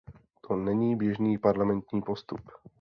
To není běžný parlamentní postup.